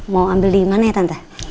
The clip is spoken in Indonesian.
mau ambil dimana ya tante